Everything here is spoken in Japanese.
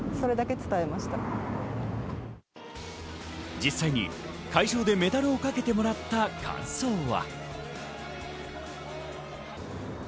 実際に会場でメダルをかけてもらった感想は。